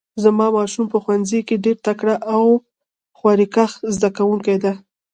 زما ماشوم په ښوونځي کې ډیر تکړه او خواریکښ زده کوونکی ده